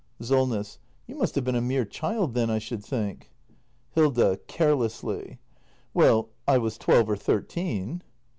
Solness. You must have been a mere child then, I should think. Hilda. [Carelessly.] Well, I was twelve or thirteen.